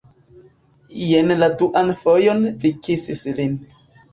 Jen la duan fojon vi kisis lin